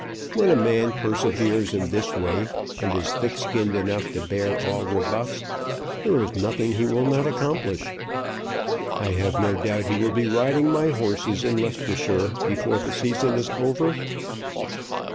When a man perseveres in this way, and is thick skinned enough to bear all rebuffs, there is nothing he will not accomplish. I have no doubt he will be riding my horses in Leicestershire before the season is over."